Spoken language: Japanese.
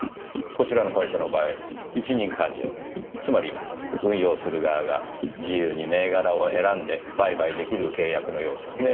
こちらの会社の場合一任勘定つまり運用する側が自由に銘柄を選んで売買できる契約のようですね。